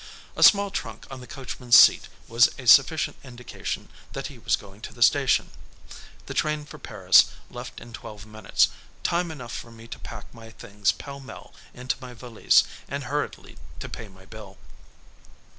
A small trunk on the coachman's seat was a sufficient indication that he was going to the station. The train for Paris left in twelve minutes, time enough for me to pack my things pell mell into my valise and hurriedly to pay my bill.